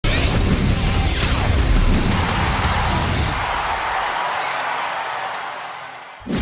สบายของไทย